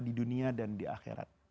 di dunia dan di akhirat